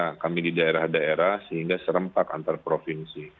nah kami di daerah daerah sehingga serempak antar provinsi